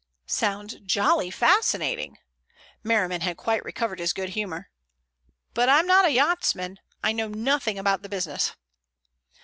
"Sounds jolly fascinating." Merriman had quite recovered his good humor. "But I'm not a yachtsman. I know nothing about the business."